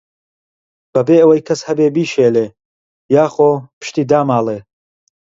بەبێ وەی کەس هەبێ بیشێلێ، یاخۆ پشتی داماڵێ